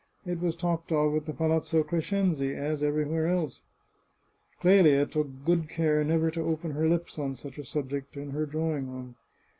It was talked of at the Palazzo Crescenzi, as everywhere else. Clelia took good care never to open her lips on such a subject in her drawing room.